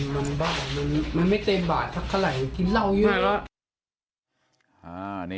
มันบ้ามันไม่เต็มบาทสักเท่าไหร่มันกินเหล้าเยอะ